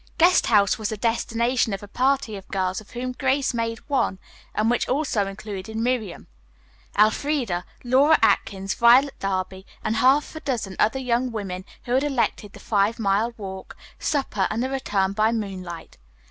Guest House was the destination of a party of girls of whom Grace made one, and which also included Miriam, Elfreda, Laura Atkins, Violet Darby and half a dozen other young women who had elected the five mile walk, supper, and a return by moonlight.